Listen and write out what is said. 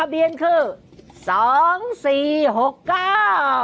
เบียนคือสองสี่หกเก้า